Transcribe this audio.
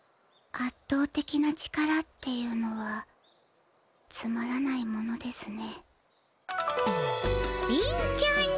あっとうてきな力っていうのはつまらないものですね。